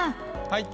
はい。